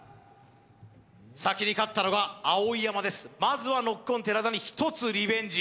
先に勝ったのが碧山ですまずはノッコン寺田に１つリベンジ